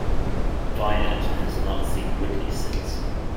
Violet has not seen Woodley since.